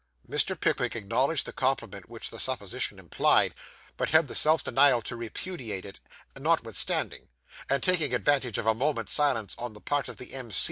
Mr. Pickwick acknowledged the compliment which the supposition implied, but had the self denial to repudiate it, notwithstanding; and taking advantage of a moment's silence on the part of the M.